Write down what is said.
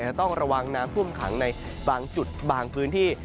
จะต้องระวังน้ำท่วมขังในบางจุดบางพื้นที่